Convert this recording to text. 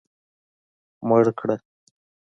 مړ کړه.